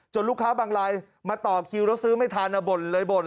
ลูกค้าบางรายมาต่อคิวแล้วซื้อไม่ทันบ่นเลยบ่น